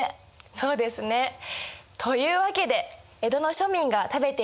そうですね。というわけで江戸の庶民が食べていた料理をお持ちしました！